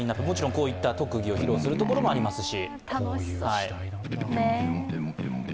こういった特技を披露するところもありますし。